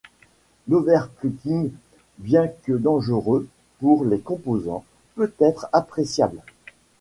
L'overclocking, bien que dangereux pour les composants, peut être appréciable.